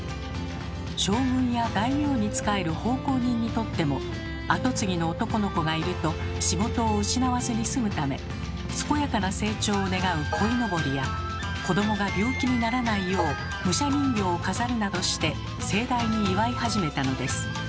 将軍や大名に仕える奉公人にとっても跡継ぎの男の子がいると仕事を失わずにすむため健やかな成長を願うこいのぼりや子どもが病気にならないよう武者人形を飾るなどして盛大に祝い始めたのです。